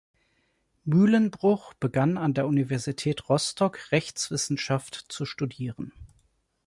Mühlenbruch begann an der Universität Rostock Rechtswissenschaft zu studieren.